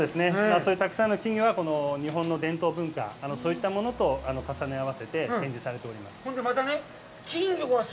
そういうたくさんの金魚がこの日本の伝統文化、そういったものと重ね合わせて展示されています。